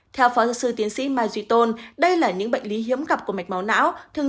theo phó giáo sư tiến sĩ mai duy tôn đây là những bệnh lý hiếm gặp của mạch máu não thường